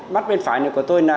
mắt bên phải này của tôi là